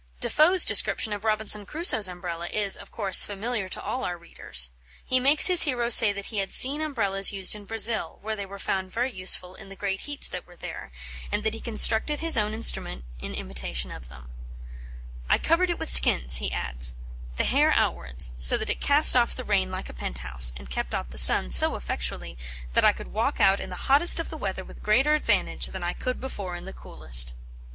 Defoe's description of Robinson Crusoe's Umbrella is, of course, familiar to all our readers. He makes his hero say that he had seen Umbrellas used in Brazil, where they were found very useful in the great heats that were there, and that he constructed his own instrument in imitation of them, "I covered it with skins," he adds, "the hair outwards, so that it cast off the rain like a pent house, and kept off the sun so effectually, that I could walk out in the hottest of the weather with greater advantage than I could before in the coolest."